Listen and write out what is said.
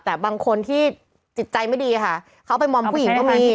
แต่บางคนที่จิตใจไม่ดีค่ะเขาไปมอมผู้หญิงก็มี